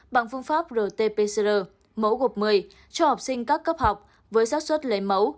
bằng phương pháp rt pcr mẫu gộp một mươi cho học sinh các cấp học với sát xuất lấy mẫu